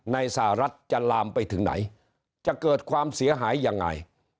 สหรัฐจะลามไปถึงไหนจะเกิดความเสียหายยังไง